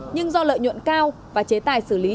nhưng do lợi nhuận cao và chế tài xử lý